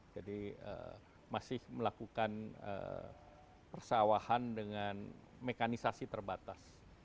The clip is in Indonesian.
jadi masih melakukan persawahan dengan mekanisasi terbatas